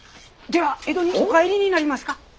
では江戸にお帰りになりますか？